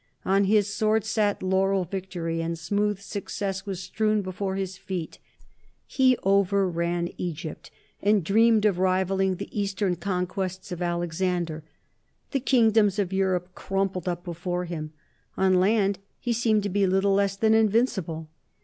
On his sword sat laurel victory, and smooth success was strewn before his feet. He overran Egypt, and dreamed of rivalling the Eastern conquests of Alexander. The Kingdoms of Europe crumpled up before him. On land he seemed to be little less than invincible.